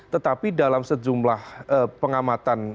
tetapi dalam sejumlah pengamatan